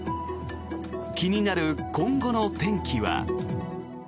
気になる今後の天気は。